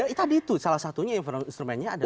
itu salah satunya instrumennya adalah